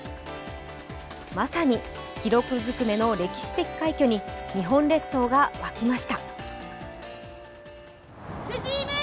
まさに記録ずくめの歴史的快挙に日本列島が沸きました。